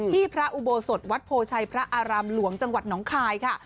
พระอุโบสถวัดโพชัยพระอารามหลวงจังหวัดน้องคายค่ะ